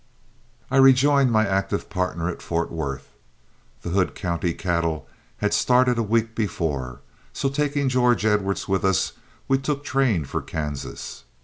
I rejoined my active partner at Fort Worth. The Hood County cattle had started a week before, so taking George Edwards with us, we took train for Kansas.